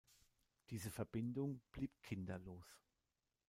Diese Verbindung blieb kinderlos.